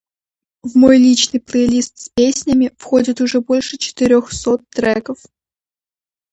В мой личный плейлист с песнями входит уже больше четырёхсот треков.